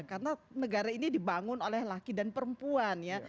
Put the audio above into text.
karena negara ini dibangun oleh laki dan perempuan ya